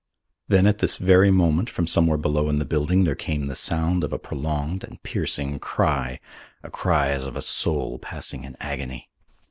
Then at this very moment from somewhere below in the building there came the sound of a prolonged and piercing cry, a cry as of a soul passing in agony.